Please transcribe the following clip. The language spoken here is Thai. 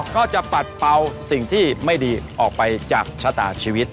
ก็จะปัดเป่าสิ่งที่ไม่ดีออกไปจากชะตาชีวิต